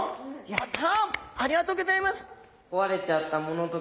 やった！